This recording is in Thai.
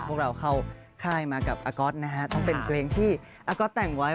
พวกเราเข้าค่ายมากับอาก๊อตนะฮะต้องเป็นเพลงที่อาก๊อตแต่งไว้